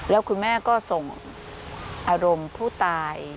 แล้วคุณแม่ก็ส่งอารมณ์ผู้ตาย